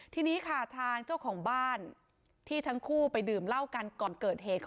ทีนี้ค่ะทางเจ้าของบ้านที่ทั้งคู่ไปดื่มเหล้ากันก่อนเกิดเหตุ